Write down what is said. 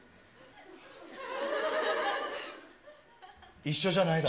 一緒じゃないだろ？